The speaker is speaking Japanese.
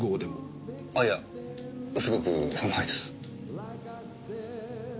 あいやすごくうまいです。